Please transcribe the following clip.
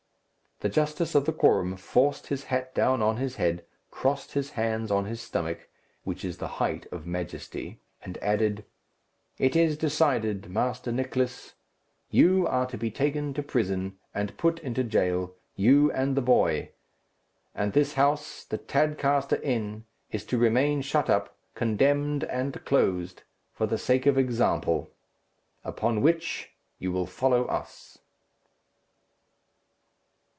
The justice of the quorum forced his hat down on his head, crossed his hands on his stomach, which is the height of majesty, and added, "It is decided, Master Nicless; you are to be taken to prison, and put into jail, you and the boy; and this house, the Tadcaster Inn, is to remain shut up, condemned and closed. For the sake of example. Upon which, you will follow us."